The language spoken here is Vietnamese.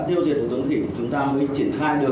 tuyệt đối cho người dân từ khu vực và các chiến sĩ tham gia